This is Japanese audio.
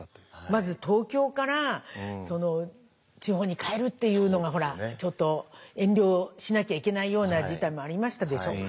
まず東京から地方に帰るっていうのがちょっと遠慮しなきゃいけないような事態もありましたでしょ。